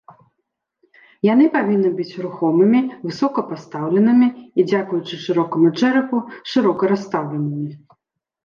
Яны павінны быць рухомымі, высока пастаўленымі і, дзякуючы шырокаму чэрапу, шырока расстаўленымі.